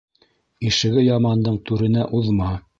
Ишеге ямандың түренә уҙма.